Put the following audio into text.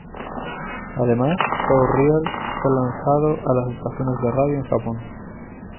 Además, "So Real" fue lanzado a las estaciones de radio en Japón.